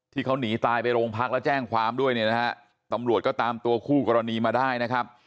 ที่เขาหนีตายไปโรงพักแล้วแจ้งความด้วยเนี่ยนะฮะตำรวจก็ตามตัวคู่กรณีมาได้นะครับ